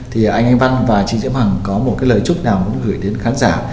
thì anh văn và chị diễm hằng có một cái lời chúc nào muốn gửi đến khán giả